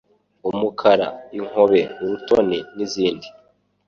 umukara, inkobe, urutoni n'izindi.